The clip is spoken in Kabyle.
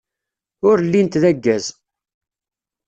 Ur llint d aggaz.